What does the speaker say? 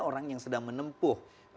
orang yang sedang menempuh